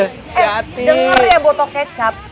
eh denger ya botokecat